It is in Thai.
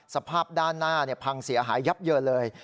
สภาพด้านหน้าพังเสียหายยับเยินเลย